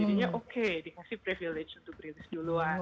jadinya oke dikasih privilege untuk british duluan